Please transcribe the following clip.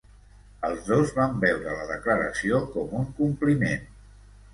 Els dos van veure la declaració com un compliment.